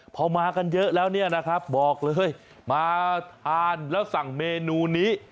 พอมากันเยอะแล้วเนี่ยนะครับบอกเลยมาทานแล้วสั่งเมนูนี้